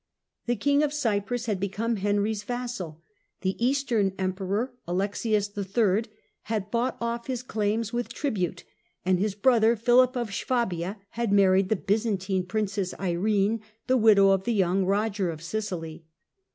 The King of Cyprus had become Henry's vassal, the Eastern Emperor Alexius III. had bought off his claims with tribute (see p. 209), and his brother Philip of Swabia had married the Byzantine princess Irene, the widow of the young Eoger of Sicily.